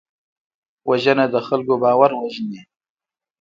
وژنه د خلکو باور وژني